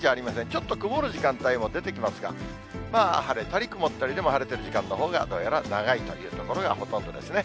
ちょっと曇る時間帯も出てきますが、まあ晴れたり曇ったり、でも晴れてる時間のほうがどうやら長いという所がほとんどですね。